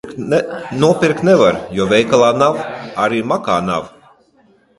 Nopirkt nevar, jo veikalā nav, arī makā nav.